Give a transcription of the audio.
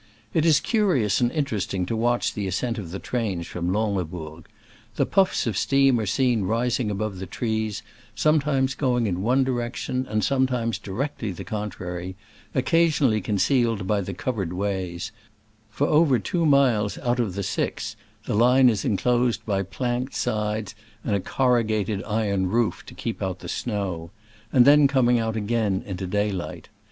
It is curious and interesting to watch the ascent of the trains from Lansle bourg. The puflfs of steam are seen rising above the trees, sometimes going in one direction, and sometimes directly the contrary, occasionally concealed by the covered ways — for over two miles out of the six the line is enclosed by planked sides and a corrugated iron roof, to keep out the snow — and then coming out again into daylight.